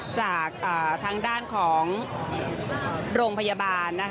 จากทางด้านของโรงพยาบาล